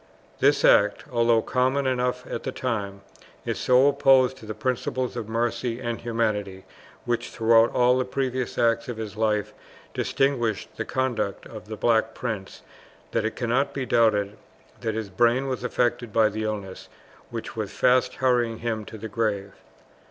This act, although common enough at the time, is so opposed to the principles of mercy and humanity which throughout all the previous acts of his life distinguished the conduct of the Black Prince that it cannot be doubted that his brain was affected by the illness which was fast hurrying him to the grave.